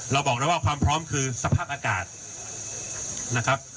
บอกแล้วว่าความพร้อมคือสภาพอากาศนะครับ